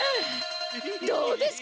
どうです！